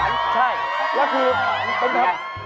แล้วคือของน้ำปลาหวาน